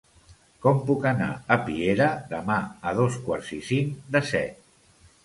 Com puc anar a Piera demà a dos quarts i cinc de set?